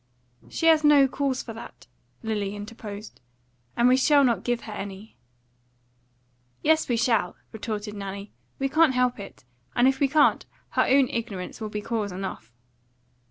"She has no cause for that," Lily interposed, "and we shall not give her any." "Yes, we shall," retorted Nanny. "We can't help it; and if we can't, her own ignorance would be cause enough."